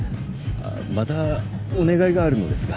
またお願いがあるのですが